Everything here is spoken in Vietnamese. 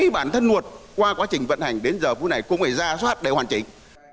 những bản thân nguột qua quá trình vận hành đến giờ vũ này cũng phải ra soát để hoàn chỉnh